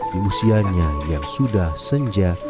di usianya yang sudah senja